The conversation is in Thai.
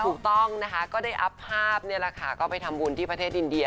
ถูกต้องนะคะก็ได้อัพภาพนี่แหละค่ะก็ไปทำบุญที่ประเทศอินเดีย